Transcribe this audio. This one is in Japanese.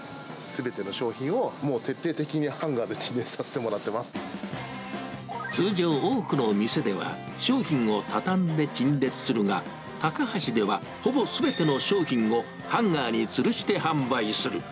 すべての商品を徹底的にハンガー通常、多くの店では商品を畳んで陳列するが、タカハシでは、ほぼすべての商品をハンガーにつるして販売する。